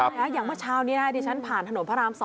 ใช่อย่างเมื่อเช้านี้ดิฉันผ่านถนนพระราม๒